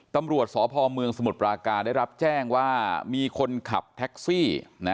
ตำรวจสพเมืองสมุทรปราการได้รับแจ้งว่ามีคนขับแท็กซี่